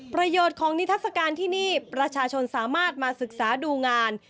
ประโยชน์ของนิทัศกาลที่นี่ประชาชนสามารถมาศึกษาดูงาน